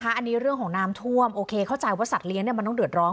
อันนี้เรื่องของน้ำท่วมโอเคเข้าใจว่าสัตว์เลี้ยงมันต้องเดือดร้อน